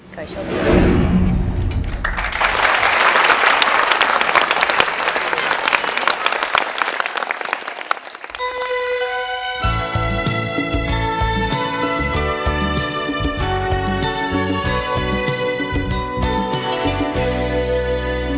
โชคดีครับ